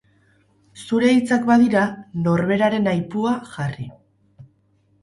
Zure hitzak badira, “Norberaren aipua” jarri.